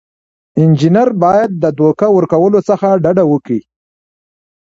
انجینر باید د دوکه ورکولو څخه ډډه وکړي.